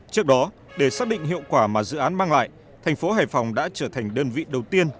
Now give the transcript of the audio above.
trước đó để xác định hiệu quả mà dự án mang lại thành phố hải phòng đã trở thành đơn vị đầu tiên